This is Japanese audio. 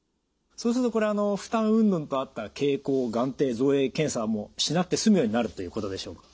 そうするとこれ負担うんぬんとあった蛍光眼底造影検査はもうしなくて済むようになるということでしょうか？